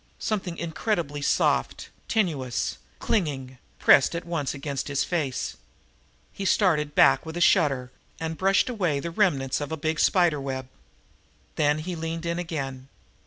Something incredibly soft, tenuous, clinging, pressed at once against his face. He started back with a shudder and brushed away the remnants of a big spider web. Then he leaned in again.